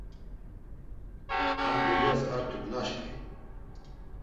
Ham dulyas artuk naşk̆vi!